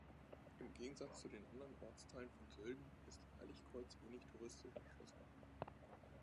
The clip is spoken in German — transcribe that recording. Im Gegensatz zu den anderen Ortsteilen von Sölden, ist Heiligkreuz wenig touristisch erschlossen.